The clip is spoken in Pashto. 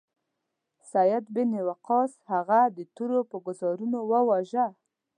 سعد بن ابی وقاص هغه د تورو په ګوزارونو وواژه.